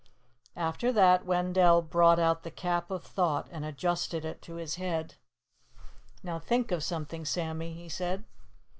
After that, Wendell brought out the Cap of Thought and adjusted it to his head. "Now think of something, Sammy," he said.